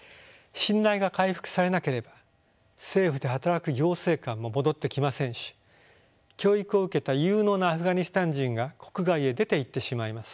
信頼が回復されなければ政府で働く行政官も戻ってきませんし教育を受けた有能なアフガニスタン人が国外へ出ていってしまいます。